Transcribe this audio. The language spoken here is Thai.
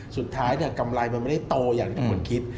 สุดท้ายกำไรมันไม่ได้โตอย่างที่คุณคิด